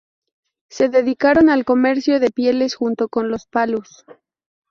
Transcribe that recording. Se dedicaron al comercio de pieles junto con los palus.